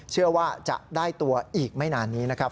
เชื่อว่าจะได้ตัวอีกไม่นานนี้นะครับ